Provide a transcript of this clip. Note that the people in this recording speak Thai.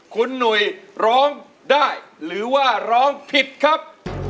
คุณหนุ่ยร้องได้หรือว่าร้องผิดครับ